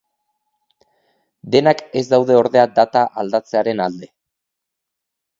Denak ez daude ordea data aldatzearen alde.